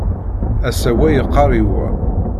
Ass-a wa yeqqar i wa.